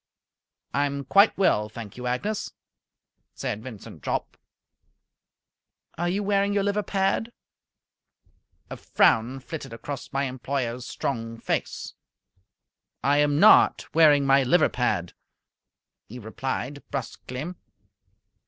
"I am quite well, thank you, Agnes," said Vincent Jopp. "Are you wearing your liver pad?" A frown flitted across my employer's strong face. "I am not wearing my liver pad," he replied, brusquely.